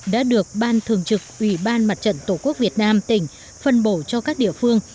đã được ban thường trực ủy ban mặt trận tổ quốc việt nam tỉnh phân bổ cho các địa phương